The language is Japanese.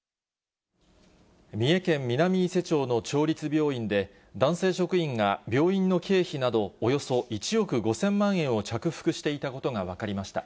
三重県南伊勢町の町立病院で、男性職員が病院の経費など、およそ１億５０００万円を着服していたことが分かりました。